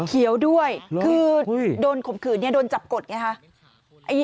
เขียวด้วยคือโดนขมขื่นโดนจับโกรธไงครับ